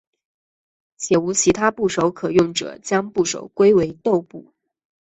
且无其他部首可用者将部首归为豆部。